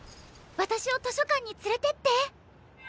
私を図書館に連れてって。